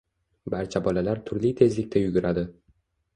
Barcha bolalar turli tezlikda yuguradi